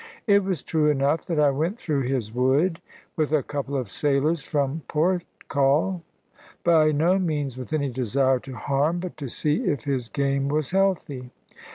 It was true enough that I went through his wood, with a couple of sailors from Porthcawl; by no means with any desire to harm, but to see if his game was healthy.